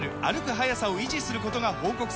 速さを維持することが報告されています